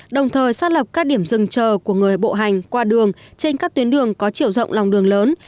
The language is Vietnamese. đồng thời xác lập các điểm rừng chờ của người bộ hành qua đường trên các tuyến đường có chiều rộng lòng đường lớn